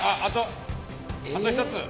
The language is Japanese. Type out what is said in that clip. あと一つ！